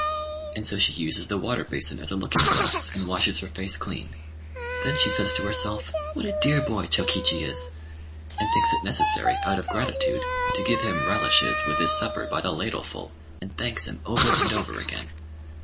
And so she uses the water basin as a looking glass, and washes her face clean; then she says to herself, "What a dear boy Chokichi is!" and thinks it necessary, out of gratitude, to give him relishes with his supper by the ladleful, and thanks him over and over again.